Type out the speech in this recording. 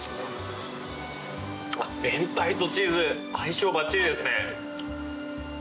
明太とチーズ相性ばっちりですね。